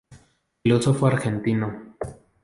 Filósofo argentino.